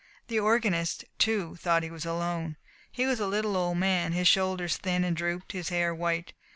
The organist, too, thought he was alone. He was a little, old man, his shoulders thin and drooped, his hair white.